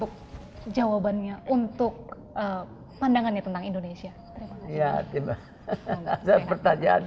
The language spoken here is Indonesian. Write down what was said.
kalau dia berusia dua belas tahun